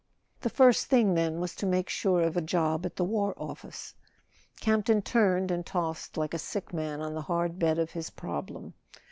The first thing, then, was to make sure of a job at the War Office. Campton turned and tossed like a sick man on the the hard bed of his problem.